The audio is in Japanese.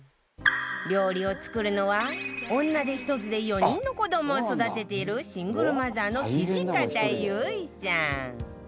料理を作るのは女手一つで４人の子どもを育てているシングルマザーの土方ゆいさん